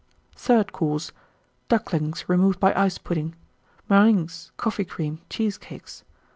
Third Course Ducklings, removed by Ice Pudding. Meringues. Coffee Cream. Cheesecakes.